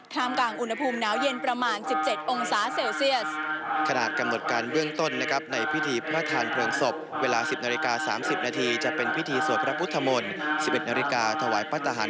มกลางอุณหภูมิหนาวเย็นประมาณ๑๗องศาเซลเซียส